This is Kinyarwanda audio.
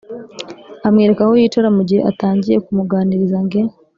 amwereka aho yicara. Mu gihe atangiye kumuganiza nge